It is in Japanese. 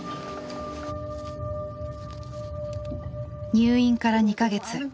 入院から２か月。